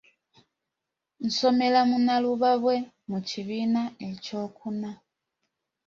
Nsomera mu Nnalubabwe , mu kibiina eky'okuna.